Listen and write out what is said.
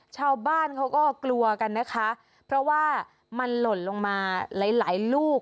ชาวบ้านเขาก็กลัวกันนะคะเพราะว่ามันหล่นลงมาหลายหลายลูก